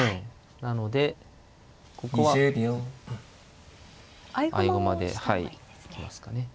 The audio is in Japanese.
なのでここは合駒で行きますかね。